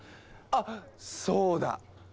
あっそうだ！